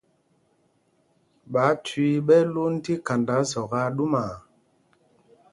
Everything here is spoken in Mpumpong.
Ɓááthüii ɓɛ́ ɛ́ lwond tí khanda zɔk aa ɗumaa.